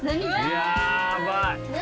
やばい何？